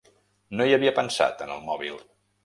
No hi havia pensat, en el mòbil.